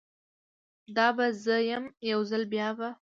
دا به زه یم، یوځل بیا به